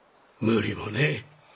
無理もねえ。